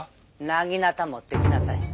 なぎなた持ってきなさい。